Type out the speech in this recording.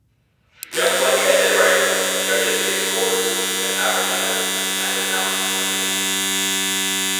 Just like Essay Writing, judges give scores, then average them, and announce winners.